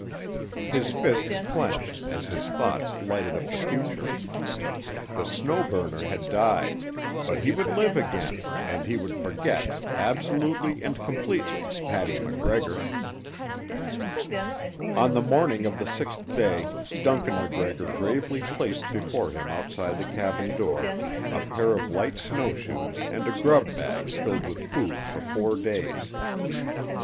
His fists clenched as his thoughts lighted up the future. The Snow Burner had died, but he would live again, and he would forget, absolutely and completely, Hattie MacGregor. On the morning of the sixth day Duncan MacGregor gravely placed before him outside the cabin door a pair of light snowshoes and a grub bag filled with food for four days.